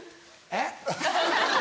えっ？